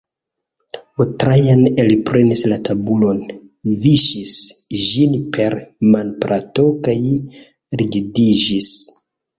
Trajan elprenis la tabulon, viŝis ĝin per manplato kaj rigidiĝis.